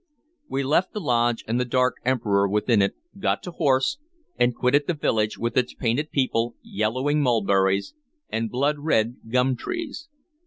We left the lodge and the dark Emperor within it, got to horse, and quitted the village, with its painted people, yellowing mulberries, and blood red gum trees.